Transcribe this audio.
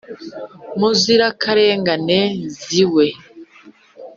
mu nzirakarengane ziwe